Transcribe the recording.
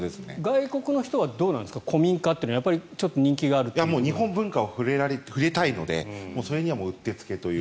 外国の人はどうなんですか日本文化に触れたいのでそれには打ってつけという。